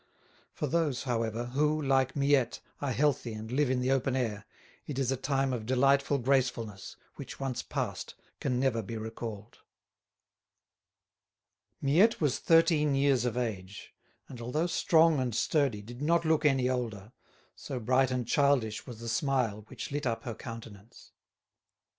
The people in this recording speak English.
For those, however, who, like Miette, are healthy and live in the open air, it is a time of delightful gracefulness which once passed can never be recalled. Miette was thirteen years of age, and although strong and sturdy did not look any older, so bright and childish was the smile which lit up her countenance.